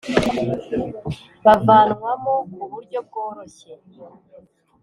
bavanwamo ku buryo bworoshye